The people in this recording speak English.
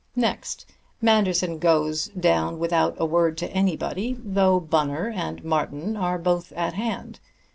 Next: Manderson goes down without a word to anybody, though Bunner and Martin are both at hand.